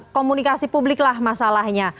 komunikasi publiklah masalahnya